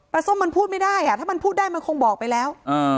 ส้มมันพูดไม่ได้อ่ะถ้ามันพูดได้มันคงบอกไปแล้ว